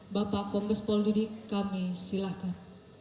bapak kompes poldudi kami silakan